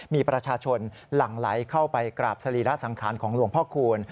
มีประชาชนหลั่งไหลเข้าไปกราบสรีระสังขารของหลวงพ่อคูณ